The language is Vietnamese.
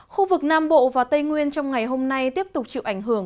khu vực nam bộ và tây nguyên trong ngày hôm nay tiếp tục chịu ảnh hưởng